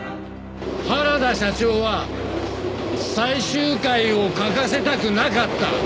原田社長は最終回を描かせたくなかった？